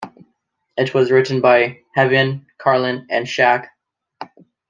It was written by Heavynn, Karlin, and Schack.